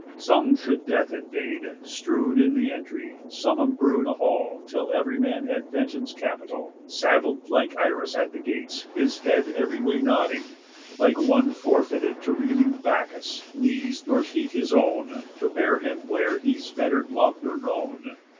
Some should death invade, Strew'd in the entry, some embrue the hall, Till ev'ry man had vengeance capital, Sattled like Irus at the gates, his head Ev'ry way nodding, like one forfeited To reeling Bacchus, knees nor feet his own, To bear him where he's better lov'd or known."